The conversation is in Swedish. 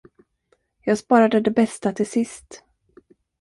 Jag sparade det bästa till sist!